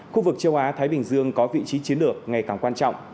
khu vực châu á thái bình dương có vị trí chiến lược ngày càng quan trọng